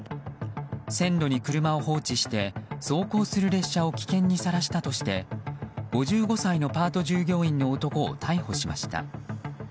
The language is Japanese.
線路に車を放置して走行する列車を危険にさらしたとして５５歳のパート従業員の男を逮捕しました。